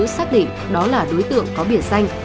xác định đó là đối tượng có biển xanh